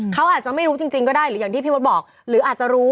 เขาอาจจะไม่รู้จริงก็ได้หรืออย่างที่พี่มดบอกหรืออาจจะรู้